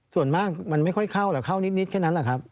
ส่วนมากมันไม่ค่อยเข้าหรอกเข้านิดแค่นั้นแหละครับ